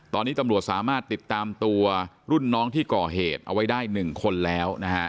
ตอนนี้ตำรวจสามารถติดตามตัวรุ่นน้องที่ก่อเหตุเอาไว้ได้๑คนแล้วนะฮะ